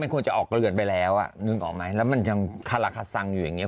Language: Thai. มันควรจะออกเรือดไปแล้วนึกออกไหมแล้วมันยังทราคทรักษังอยู่อย่างเนี้ย